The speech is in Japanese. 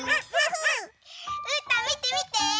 うーたんみてみて！